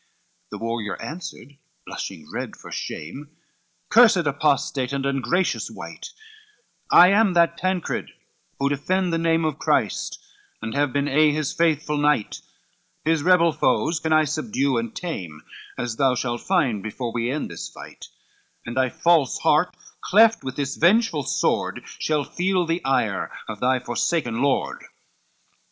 XXXIV The warrior answered, blushing red for shame, "Cursed apostate, and ungracious wight, I am that Tancred who defend the name Of Christ, and have been aye his faithful knight; His rebel foes can I subdue and tame, As thou shalt find before we end this fight; And thy false heart cleft with this vengeful sword, Shall feel the ire of thy forsaken Lord."